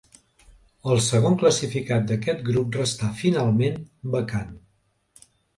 El segon classificat d'aquest grup restà, finalment, vacant.